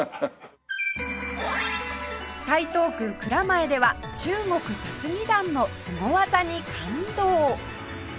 台東区蔵前では中国雑技団のスゴ技に感動！